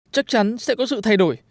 chắc chắn sẽ có sự thay đổi